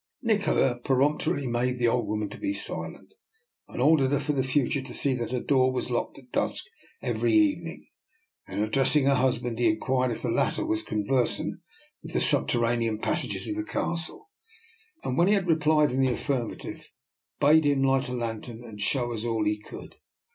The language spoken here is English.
Nikola peremptorily bade the old woman be silent, and ordered her for the future to see that her door was locked at dusk every evening. Then addressing her husband, he inquired if the latter was conversant with the 250 DR. NIKOLA'S EXPERIMENT. subterranean passages of the Castle, and when he had replied in the affirmative, bade him light a lantern, and show us all he could.